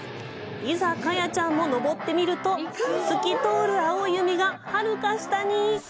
いざ、カヤちゃんも上ってみると透き通る青い海が、はるか下に。